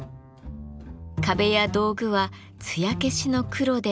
壁や道具はつや消しの黒で統一。